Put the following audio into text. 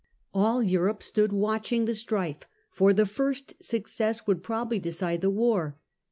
All Europe stood watching the strife, for the first success would probably decide the war.